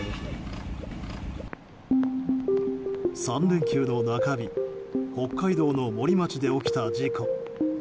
３連休の中日北海道の森町で起きた事故。